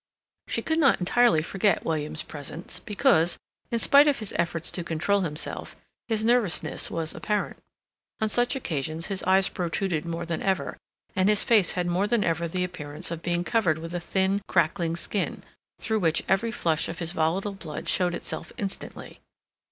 She could not entirely forget William's presence, because, in spite of his efforts to control himself, his nervousness was apparent. On such occasions his eyes protruded more than ever, and his face had more than ever the appearance of being covered with a thin crackling skin, through which every flush of his volatile blood showed itself instantly.